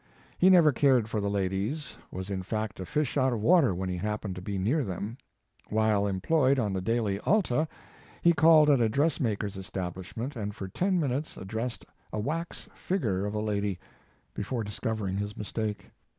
He never cared for the ladies, was in fact a fish out of water when he happened to be near them. While employed on the daily Alta, he called at a dressmaker s establishment, and for ten minutes addressed a wax figure of a lady, before discovering his mistake.